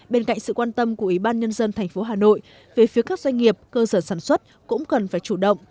bên cạnh sự quan tâm của ủy ban nhân dân tp hà nội về phía các doanh nghiệp cơ sở sản xuất cũng cần phải chủ động